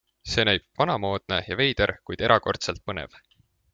See näib vanamoodne ja veider, kuid erakordselt põnev!